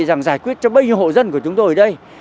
rằng giải quyết cho bao nhiêu hộ dân của chúng tôi ở đây